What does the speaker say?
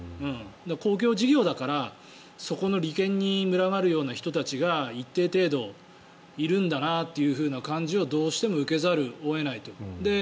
公共事業だから、そこの利権に群がるような人たちが一定程度いるんだなという感じをどうしても受けざるを得ないと。